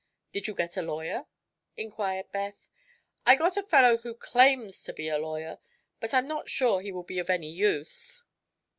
"Did you get a lawyer?" inquired Beth. "I got a fellow who claims to be a lawyer; but I'm not sure he will be of any use."